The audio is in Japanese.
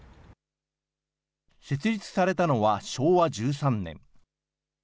設立されたのは昭和１３年。